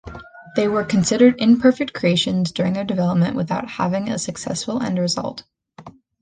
They were considered imperfect creations during their development without having a successful end result.